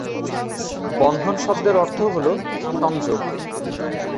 বন্ধন শব্দের অর্থ হল সংযোগ।